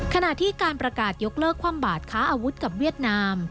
ขณะที่การประกาศยกเลิกคว่ำบาดค้าอาวุธกับเวียดนาม